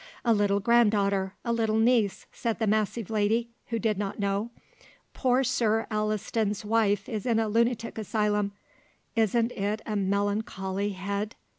"A little grand daughter, a little niece," said the massive lady, who did not know. "Poor Sir Alliston's wife is in a lunatic asylum; isn't it a melancholy head?"